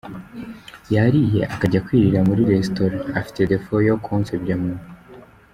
yariye akajya kwirira muri restaurent afite defaut yo kunsebya mu.